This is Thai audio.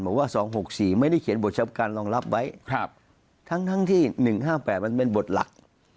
บอกว่า๒๖๔ไม่ได้เขียนบทเฉพาะการรองรับไว้ทั้งที่๑๕๘มันเป็นบทหลัก